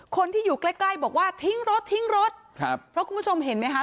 คนที่อยู่ใกล้ใกล้บอกว่าทิ้งรถทิ้งรถครับเพราะคุณผู้ชมเห็นไหมคะ